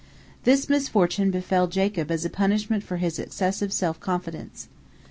This misfortune befell Jacob as a punishment for his excessive self confidence.